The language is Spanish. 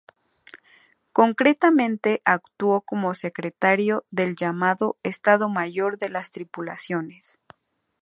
Concretamente actuó como secretario del llamado "Estado Mayor de las Tripulaciones".